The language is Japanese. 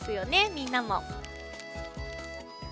みんなも。